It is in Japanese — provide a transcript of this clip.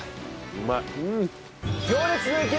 うまい。